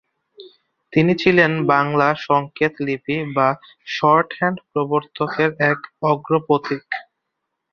তিনি ছিলেন বাংলা সংকেত লিপি বা শর্ট হ্যান্ড প্রবর্তনের এক অগ্রপথিক।